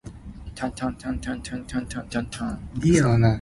錢債好還，人債歹還